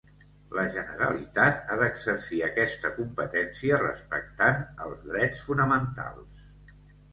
La Generalitat ha d'exercir aquesta competència respectant els drets fonamentals.